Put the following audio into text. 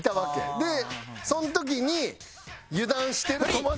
でその時に油断してる友達。